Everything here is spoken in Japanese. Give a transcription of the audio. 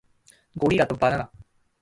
ゴリラとバナナ